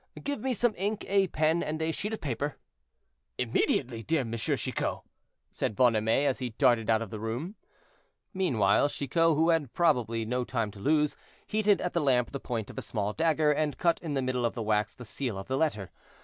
Give me some ink, a pen, and a sheet of paper." "Immediately, dear Monsieur Chicot," said Bonhomet, as he darted out of the room. Meanwhile Chicot, who probably had no time to lose, heated at the lamp the point of a small dagger, and cut in the middle of the wax the seal of the letter.